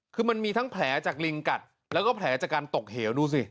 คือมันมีทั้งแผลจากลิงกัดแล้วก็แผลจากการตกเหวดูสิ